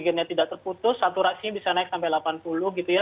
kalau tidak terputus saturasinya bisa naik sampai delapan puluh gitu ya